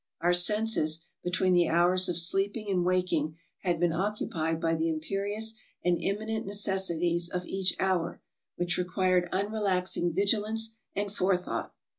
Our senses, be tween the hours of sleeping and waking, had been occupied by the imperious and imminent necessities of each hour, which required unrelaxing vigilance and forethought.